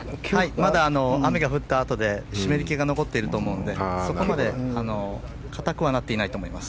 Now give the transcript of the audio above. まだ雨が降ったあとで湿り気が残っていると思うのでそこまで硬くはなっていないと思います。